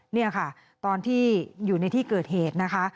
นี่ค่ะตอนที่อยู่ในที่เกิดเหตุนะคะ